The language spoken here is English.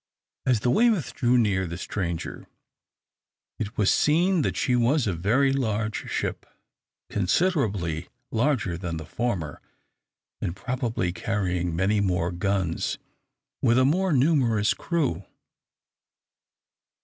As the "Weymouth" drew near the stranger it was seen that she was a very large ship, considerably larger than the former, and probably carrying many more guns, with a more numerous crew.